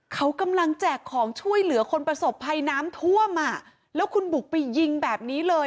เขากำลังแจกของช่วยเหลือคนประสบภัยน้ำท่วมอ่ะแล้วคุณบุกไปยิงแบบนี้เลย